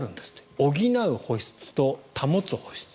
補う補湿と保保湿。